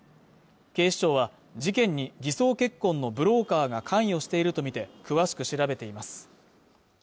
警視庁は事件に偽装結婚のブローカーが関与しているとみて詳しく調べています